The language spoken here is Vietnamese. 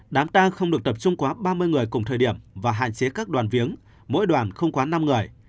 đám tang không được tập trung quá ba mươi người cùng thời điểm và hạn chế các đoàn viếng mỗi đoàn không quá năm người